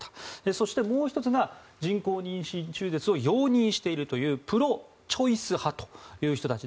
そして、もう１つが人工妊娠中絶を容認しているプロ・チョイス派という人たち。